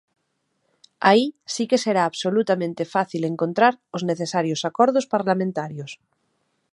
Aí si que será absolutamente fácil encontrar os necesarios acordos parlamentarios.